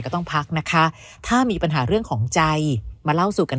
ก็ต้องพักนะคะถ้ามีปัญหาเรื่องของใจมาเล่าสู่กัน